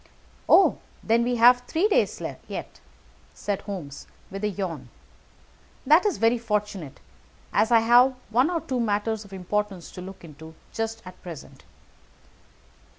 "Oh, then we have three days yet," said Holmes, with a yawn. "That is very fortunate, as I have one or two matters of importance to look into just at present.